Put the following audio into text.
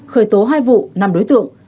khởi tố hai vụ